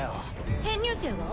編入生は？